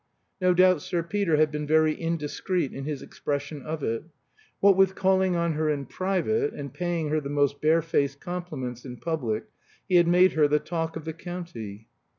No doubt Sir Peter had been very indiscreet in his expression of it. What with calling on her in private and paying her the most barefaced compliments in public, he had made her the talk of the county.